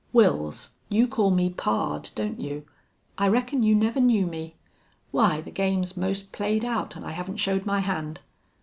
"Wils, you call me pard, don't you? I reckon you never knew me. Why, the game's `most played out, an' I haven't showed my hand!...